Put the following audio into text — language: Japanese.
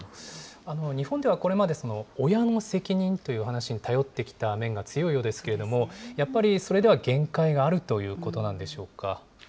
日本ではこれまで、親の責任という話に頼ってきた面が強いようですけれども、やっぱりそれでは限界があるということなんでしょうか。